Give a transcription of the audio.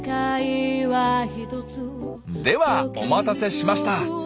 ではお待たせしました。